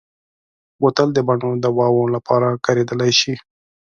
بوتل د بڼو دواوو لپاره کارېدلی شي.